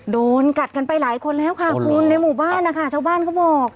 โดนกัดกันไปหลายคนแล้วค่ะคุณในหมู่บ้านนะคะชาวบ้านเขาบอก